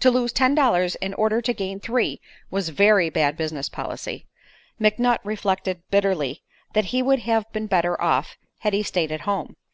To lose ten dollars in order to gain three was very bad business policy. McNutt reflected bitterly that he would have been better off had he stayed at home.